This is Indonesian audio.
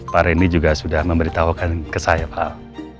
pak randy juga sudah memberitahukan ke saya pak al